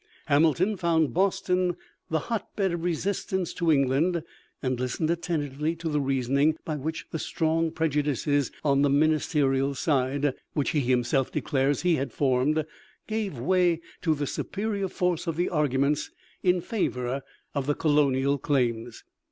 Hamilton found Boston the hotbed of resistance to England, and listened attentively to the reasoning by which the "strong prejudices on the ministerial side," which he himself declares he had formed, gave way to "the superior force of the arguments in favor of the colonial claims."